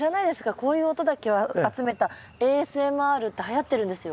こういう音だけを集めたＡＳＭＲってはやってるんですよ。